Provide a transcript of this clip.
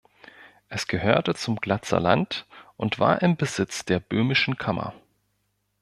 Es gehörte zum Glatzer Land und war im Besitz der Böhmischen Kammer.